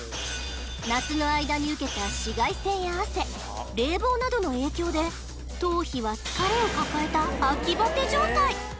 夏の間に受けたなどの影響で頭皮は疲れを抱えた秋バテ状態！